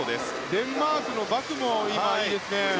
デンマークのバクもいい感じですね。